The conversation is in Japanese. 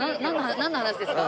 なんの話ですか？